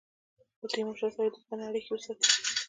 له تیمورشاه سره دوستانه اړېکي وساتي.